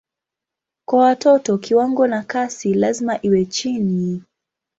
Kwa watoto kiwango na kasi lazima iwe chini.